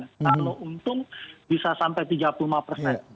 kalau untung bisa sampai tiga puluh lima persen